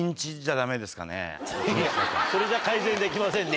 いやそれじゃ改善できませんね